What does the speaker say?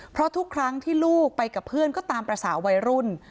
เพราะทุกครั้งที่ลูกไปกับเพื่อนก็ตามภาษาวัยรุ่น